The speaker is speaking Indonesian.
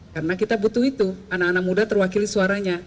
karena kita butuh itu anak anak muda terwakili suaranya